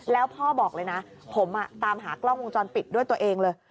แล้วพ่อบอกเลยนะผมตามหากล้องวงจรปิดด้วยตัวเองเลย